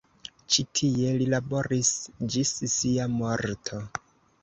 Ĉi tie li laboris ĝis sia morto.